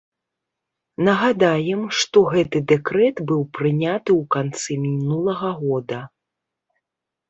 Нагадаем, што гэты дэкрэт быў прыняты ў канцы мінулага года.